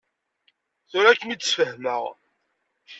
Tura ad kem-id-sfehmeɣ.